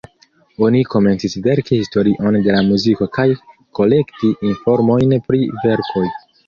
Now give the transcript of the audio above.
Oni komencis verki historion de la muziko kaj kolekti informojn pri verkoj.